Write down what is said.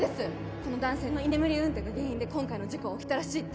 この男性の居眠り運転が原因で今回の事故は起きたらしいって